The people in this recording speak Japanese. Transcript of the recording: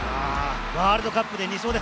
ワールドカップで２勝です。